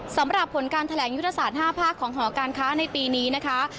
สำหรับผลการแถลงยุทธศาสตร์๕ภาคของหอการค้าในปีนี้นะคะ